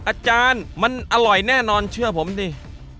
อาจารย์มันอร่อยแน่นอนเชื่อผมดิ